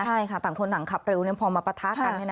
ใช่ค่ะต่างคนต่างขับเร็วพอมาปะทะกัน